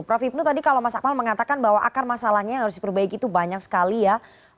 prof ibnu tadi kalau mas akmal mengatakan bahwa akar masalahnya yang harus diperbaiki itu banyak sekali ya